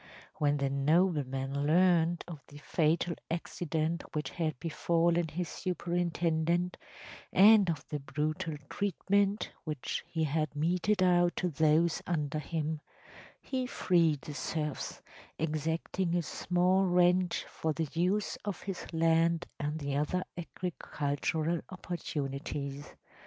When the nobleman learned of the fatal accident which had befallen his superintendent, and of the brutal treatment which he had meted out to those under him, he freed the serfs, exacting a small rent for the use of his land and the other agricultural opportunities.